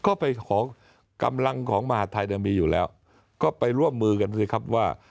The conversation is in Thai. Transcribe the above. ก็ไปขอกำลังของมหาธัยเนี่ยมีอยู่แล้วก็ไปร่วมมือกันสิครับว่า